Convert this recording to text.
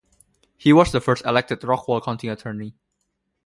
He was first elected Rockwall County Attorney.